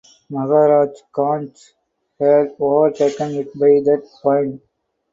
Maharajganj had overtaken it by that point.